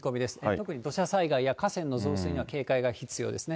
特に土砂災害や河川の増水には警戒が必要ですね。